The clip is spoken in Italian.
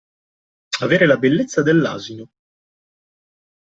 Avere la bellezza dell'asino.